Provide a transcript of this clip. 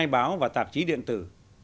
chín mươi hai báo và tạp chí điện tử